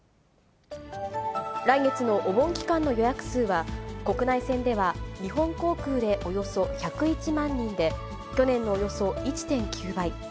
来月のお盆期間の予約数は、国内線では日本航空でおよそ１０１万人で、去年のおよそ１．９倍。